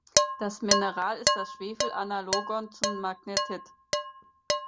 Das Mineral ist das Schwefel-Analogon zum Magnetit.